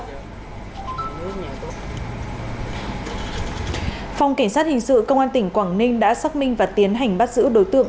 phòng cảnh sát hình sự công an tỉnh quảng ninh đã xác minh và tiến hành bắt giữ đối tượng